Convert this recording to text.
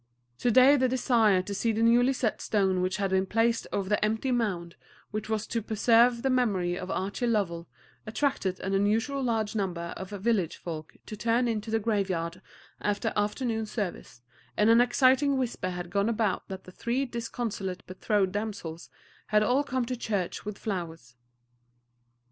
To day the desire to see the newly set stone which had been placed over the empty mound which was to preserve the memory of Archie Lovell attracted an unusually large number of village folk to turn into the graveyard after afternoon service, and an exciting whisper had gone about that the three disconsolate betrothed damsels had all come to church with flowers.